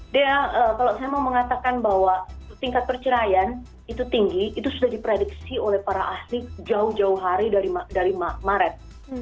dea kalau saya mau mengatakan bahwa tingkat perceraian itu tinggi itu sudah diprediksi oleh para ahli jauh jauh hari dari maret